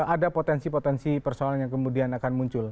ada potensi potensi persoalan yang kemudian akan muncul